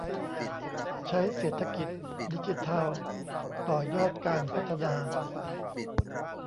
ใช้เศรษฐกิจดิจิทัลต่อยอดการพัฒนา